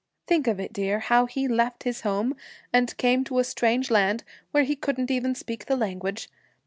Think of it, dear, how he left his home, and came to a strange land, where he couldn't even speak the language.